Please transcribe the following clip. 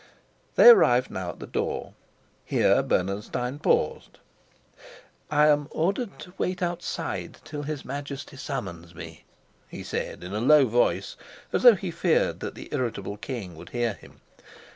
They arrived now at the door. Here Bernenstein paused. "I am ordered to wait outside till his Majesty summons me," he said in a low voice, as though he feared that the irritable king would hear him.